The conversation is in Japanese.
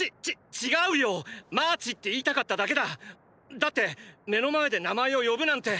だって目の前で名前を呼ぶなんて――。